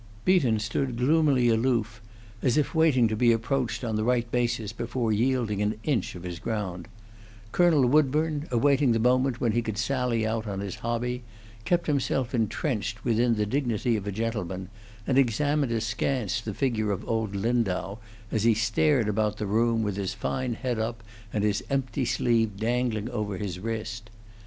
Beaton stood gloomily aloof, as if waiting to be approached on the right basis before yielding an inch of his ground; Colonel Woodburn, awaiting the moment when he could sally out on his hobby, kept himself intrenched within the dignity of a gentleman, and examined askance the figure of old Lindau as he stared about the room, with his fine head up, and his empty sleeve dangling over his wrist.